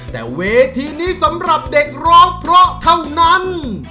แต่เวทีนี้สำหรับเด็กร้องเพราะเท่านั้น